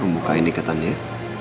bukain ikatan ya